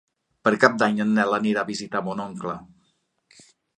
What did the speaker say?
Per Cap d'Any en Nel anirà a visitar mon oncle.